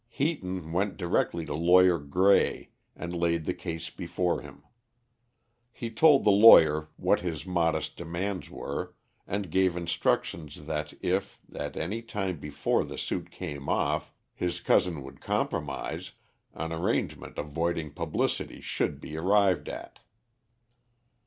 Heaton went directly to lawyer Grey, and laid the case before him. He told the lawyer what his modest demands were, and gave instructions that if, at any time before the suit came off, his cousin would compromise, an arrangement avoiding publicity should be arrived at.